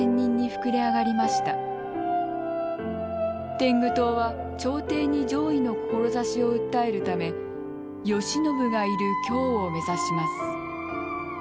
天狗党は朝廷に攘夷の志を訴えるため慶喜がいる京を目指します。